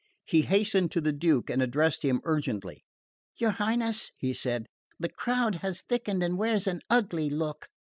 He hastened to the Duke and addressed him urgently. "Your Highness," he said, "the crowd has thickened and wears an ugly look.